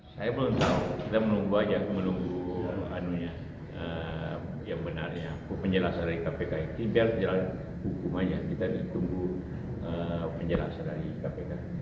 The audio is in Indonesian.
saya belum tahu kita menunggu saja menunggu anunya yang benarnya penjelasan dari kpk ini biar jalan hukum aja kita ditunggu penjelasan dari kpk